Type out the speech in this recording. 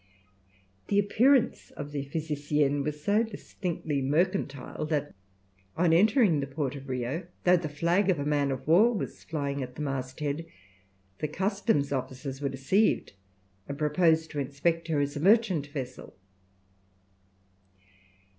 The appearance of the Physicienne was so distinctly mercantile that on entering the port of Rio, though the flag of a man of war was flying at the masthead, the customs officers were deceived and proposed to inspect her as a merchant vessel.